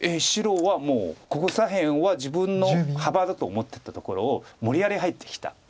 白はもうここ左辺は自分の幅だと思ってたところを無理やり入ってきた。